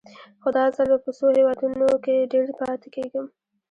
خو دا ځل به په څو هېوادونو کې ډېر پاتې کېږم.